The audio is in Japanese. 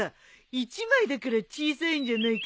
１枚だから小さいんじゃないかな？